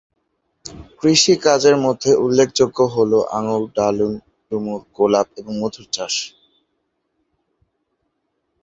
কৃষিকাজের মধ্যে উল্লেখযোগ্য হলো, আঙ্গুর, ডালিম, ডুমুর, গোলাপ এবং মধুর চাষাবাদ।